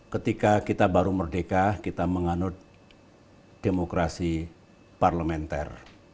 ketika kita baru merdeka kita menganut demokrasi parlementer